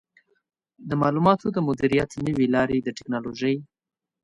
د معلوماتو د مدیریت نوې لارې د ټکنالوژۍ